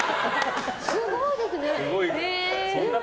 すごいですよね。